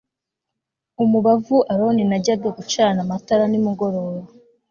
umubavu aroni najya gucana amatara nimugoroba